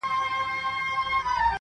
o ستړى په گډا سومه ،چي، ستا سومه،